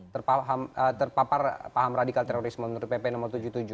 terpapar paham radikal terorisme menurut pp no tujuh puluh tujuh